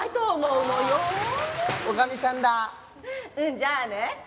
うんじゃあね。